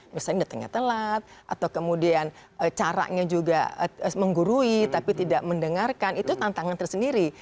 misalnya datangnya telat atau kemudian caranya juga menggurui tapi tidak mendengarkan itu tantangan tersendiri